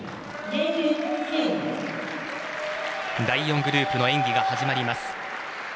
第４グループの演技が始まります。